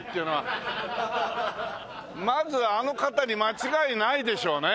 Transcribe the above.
まずあの方に間違いないでしょうね。